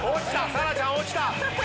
紗来ちゃん落ちた！